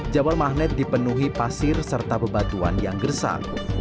jabal mahnet dipenuhi pasir serta bebatuan yang gersak